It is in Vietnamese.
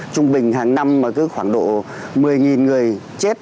trung bình hàng năm mà cứ khoảng độ một mươi người chết